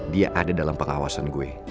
dia ada dalam pengawasan gue